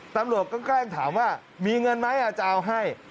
ตำรวจก็แกล้งถามว่ามีเงินไหมจะเอาให้